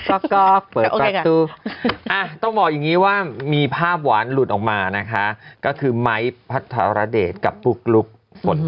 ก๊อกก๊อกก๊อกเดอะก๊อกก็ต้องบอกอย่างงี้ว่ามีภาพหวานหลุดออกมานะคะก็คือไมธรรณเดชน์กับปุ๊กลุกฝน